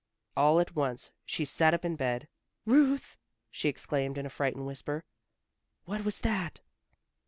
All at once she sat up in bed. "Ruth," she exclaimed in a frightened whisper, "what was that?"